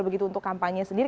begitu untuk kampanye sendiri